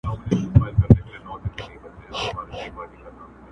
راغزولي دي خیرن لاسونه،